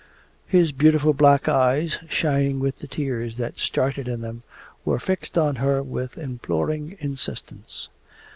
His beautiful black eyes, shining with the tears that started in them, were fixed on her with imploring insistence.